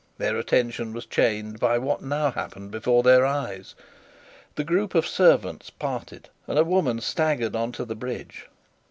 Their attention was chained by what now happened before their eyes. The group of servants parted and a woman staggered on to the bridge.